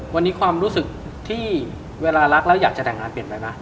วันนี้ความรู้สึกที่เวลารักแล้วอยากจะแต่งงานเปลี่ยนไปไหม